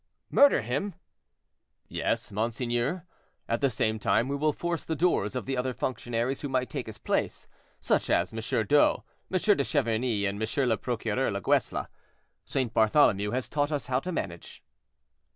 "Murder him?" "Yes, monseigneur. At the same time we will force the doors of the other functionaries who might take his place, such as M. d'O, M. de Chiverny, and M. le Procureur Laguesle. St. Bartholomew has taught us how to manage."